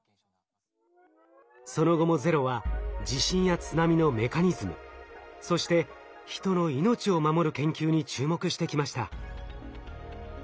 その後も「ＺＥＲＯ」は地震や津波のメカニズムそして人の命を守る研究に注目してきました。